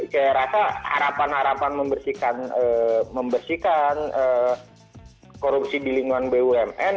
saya rasa harapan harapan membersihkan korupsi di lingkungan bumn